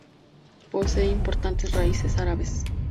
Posee importantes raíces árabes.